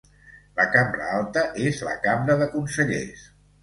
La cambra alta és la Cambra de Consellers.